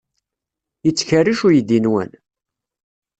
Yettkerric uydi-nwen?